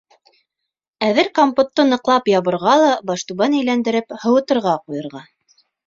Әҙер компотты ныҡлап ябырға ла, баштүбән әйләндереп, һыуытырға ҡуйырға.